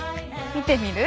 見てみる？